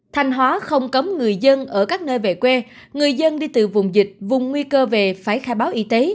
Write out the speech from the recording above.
thanh hóa không cấm người dân ở các nơi về quê người dân đi từ vùng dịch vùng nguy cơ về phải khai báo y tế